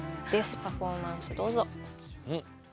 パフォーマンスどうぞ。